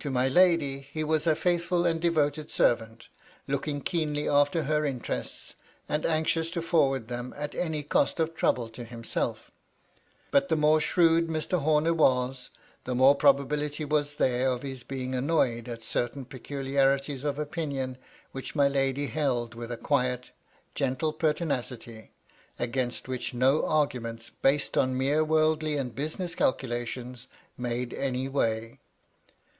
To my lady he was a faithful and devoted servant, looking keenly after her interests, and anxious to forward them at any cost of trouble to himself But the more shrewd Mr. Homer was, the more probability was there of his being annoyed at certain peculiarities of opinion which my lady held with a quiet, gentle pertinacity ; against which no argimients, based on mere worldly and bu^ess calculations, made any way.